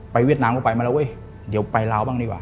ไปเวียดนามเขาไปหมดแล้วเดี๋ยวไปราวบ้างดีกว่า